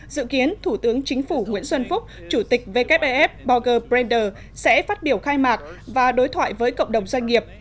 dự kiến thủ tướng chính phủ nguyễn xuân phúc chủ tịch wef borrger brander sẽ phát biểu khai mạc và đối thoại với cộng đồng doanh nghiệp